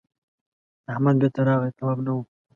احمد بېرته راغی تواب نه و.